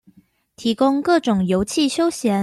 提供各種遊憩休閒